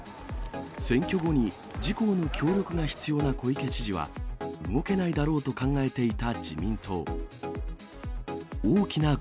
選挙後に自公の協力が必要な小池知事は、動けないだろうと考えていた自民党。